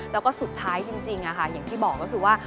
แล้วก็สุดท้ายจริงอย่างที่บอกก็คือว่า